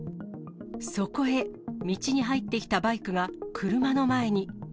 そこへ道に入ってきたバイクが車の前に。